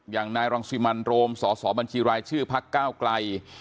อย่างนายร่องศีลมันโรมศสบัญชีรายชื่อภาคเก้ากลัย